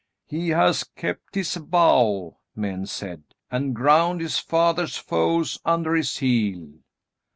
"He has kept his vow," men said, "and ground his father's foes under his heel."